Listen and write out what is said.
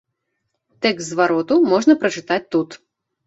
Тэкст звароту можна прачытаць тут.